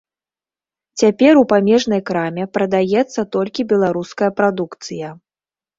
Цяпер у памежнай краме прадаецца толькі беларуская прадукцыя.